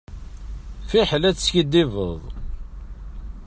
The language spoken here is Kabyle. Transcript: Fiḥel ad teskiddbeḍ.